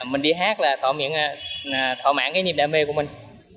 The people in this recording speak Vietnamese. mình đi hát là thỏa mãn cái niềm đam mê của mình